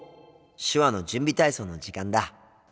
手話の準備体操の時間だ。